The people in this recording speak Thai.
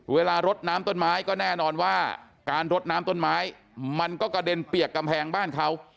รดน้ำต้นไม้ก็แน่นอนว่าการรดน้ำต้นไม้มันก็กระเด็นเปียกกำแพงบ้านเขา